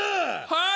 はい！